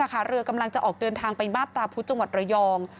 เรือกำลังจะออกเดินทางไปมาบตาพุธจังหวัดระยอง